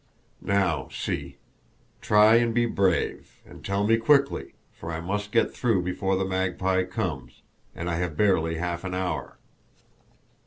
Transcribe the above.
Now, see, try and be brave and tell me quickly, for I must get through before the Magpie comes, and I have barely half an hour."